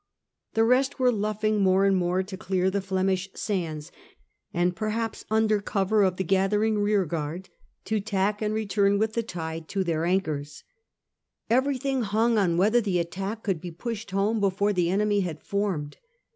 The rest were luffing more and more to clear the Flemish sands, and perhaps, under cover of the gathering rearguard, to tack and return XI BATTLE OF GRAVELINES 167 with the tide to their anchors. Everything hung on whether the attack could be pushed home before the enemy had formed.